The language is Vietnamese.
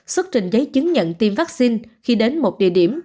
xuất trình giấy chứng nhận tiêm vaccine khi đến một địa điểm